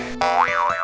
bukan hasil nyontek